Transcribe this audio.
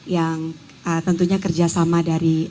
yang tentunya kerjasama dari